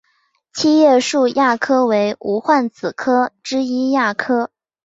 七叶树亚科为无患子科下之一亚科。